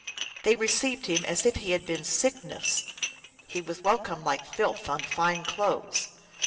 They received him as if he had been Sickness. He was welcomed like filth on fine clothes.